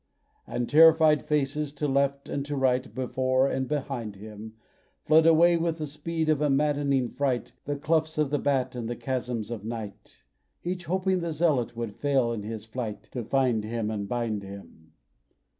And terrified faces to left and to right, Before and behind him, Fled away with the speed of a maddening fright To the cloughs of the bat and the chasms of night, Each hoping the zealot would fail in his flight To find him and bind him.